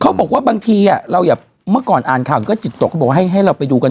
เขาบอกว่าบางทีเมื่อก่อนอ่านข่าวก็จิตตกเขาบอกว่าให้เราไปดูกัน